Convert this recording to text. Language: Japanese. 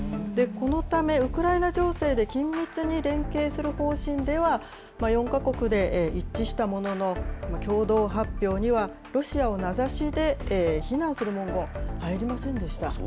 このため、ウクライナ情勢で緊密に連携する方針では、４か国で一致したものの、共同発表にはロシアを名指しで非難する文言、入りませんでした。